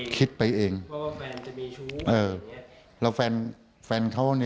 คิดไปเองเพราะว่าแฟนจะมีชู้อย่างนี้